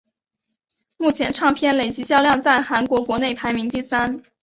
目前唱片累计销量在韩国国内排名第三。